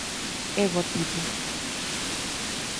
É bo tipo.